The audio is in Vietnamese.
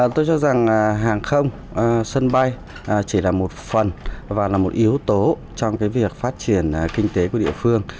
tôi cho rằng hàng không sân bay chỉ là một phần và là một yếu tố trong việc phát triển kinh tế của địa phương